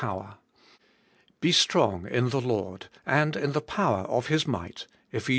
18.* 'Be strong in the Lord, and in the power of His might. '— Eph.